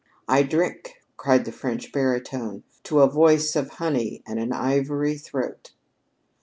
"I drink," cried the French baritone, "to a voice of honey and an ivory throat."